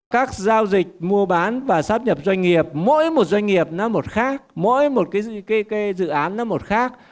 các giao dịch mua bán và sắp nhập doanh nghiệp mỗi một doanh nghiệp nó một khác mỗi một cái dự án nó một khác